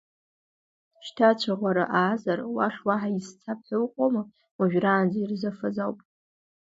Шьҭа ацәаӷәара аазар, уахь уаҳа изцап ҳәа уҟоума, уажәраанӡа ирзыфаз ауп.